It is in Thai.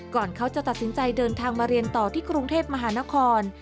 ก่อนเขาจะตัดสินใจเดินทางมาเรียนต่อที่กรุงเทพมหานคร